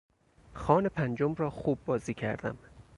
خان پنجم را خوب بازی کردم.